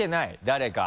誰か。